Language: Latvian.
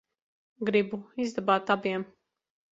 Gribu izdabāt abiem.